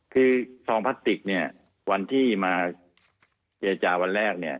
คือซองพลาสติกเนี่ยวันที่มาเจรจาวันแรกเนี่ย